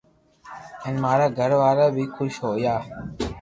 ھين مارا گھر وارا بي خوݾ ھويا